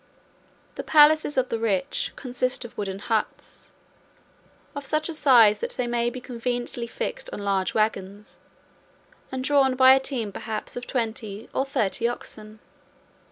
The palaces of the rich consist of wooden huts, of such a size that they may be conveniently fixed on large wagons, and drawn by a team perhaps of twenty or thirty oxen.